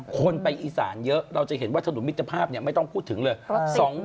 คนไปอีสานเยอะเราจะเห็นว่าถนนมิตรภาพไม่ต้องพูดถึงเลย